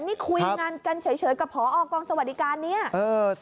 นี่คุยงานกันเฉยกับพอกองสวัสดิการเนี่ย